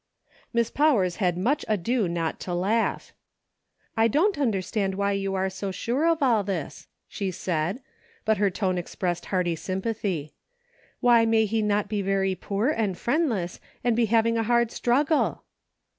Miss Powers had much ado not to laugh. " I don't understand why you are so sure of all this," she said ; but her tone expressed hearty sympathy. " Why may he not be very poor and friendless, and be having a hard struggle